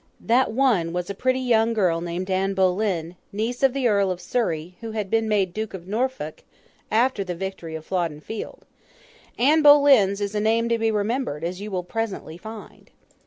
That one was a pretty young girl named Anne Boleyn, niece of the Earl of Surrey, who had been made Duke of Norfolk, after the victory of Flodden Field. Anne Boleyn's is a name to be remembered, as you will presently find.